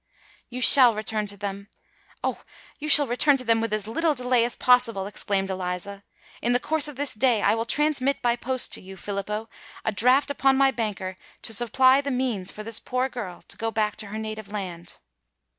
"You shall return to them—oh! you shall return to them with as little delay as possible," exclaimed Eliza. "In the course of this day I will transmit by post to you, Filippo, a draft upon my banker to supply the means for this poor girl to go back to her native land."